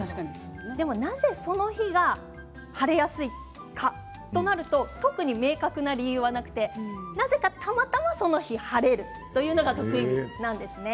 でもなぜその日は晴れやすいかとなると特に明確な理由はなくてなぜかたまたまその日晴れるというのが特異日なんですね。